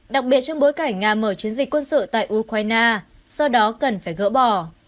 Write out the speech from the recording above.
đặc biệt trong bối cảnh nga mở chiến dịch quân sự tại ukraine do đó cần phải gỡ bỏ